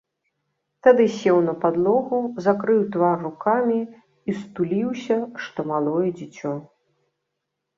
Тады сеў на падлогу, закрыў твар рукамі і стуліўся, што малое дзіцё.